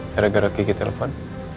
karena gara gara kiki telepon